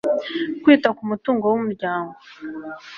Kwita ku mutungo w umuryango